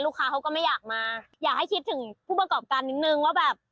เขาก็ไม่อยากมาอยากให้คิดถึงผู้ประกอบการนิดนึงว่าแบบ